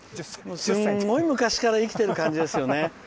すんごい昔から生きてる感じですよね。